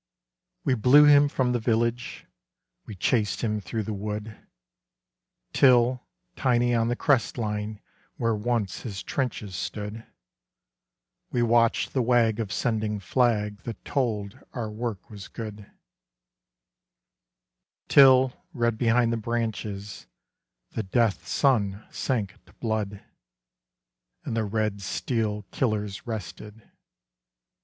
We blew him from the village; We chased him through the wood: Till, tiny on the crest line Where once his trenches stood, We watched the wag of sending flag That told our work was good: Till, red behind the branches, The death sun sank to blood; And the Red Steel Killers rested....